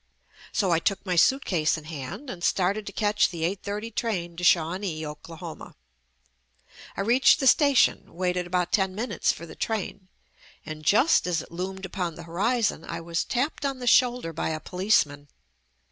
So I took my suitcase in hand and started to catch the eight thirty train to Shawnee, Oklahoma. I reached the station, waited about ten min utes for the train, and just as it loomed upon the horizon I was tapped on the shoulder by a policeman.